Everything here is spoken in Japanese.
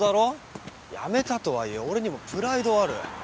辞めたとはいえ俺にもプライドはある。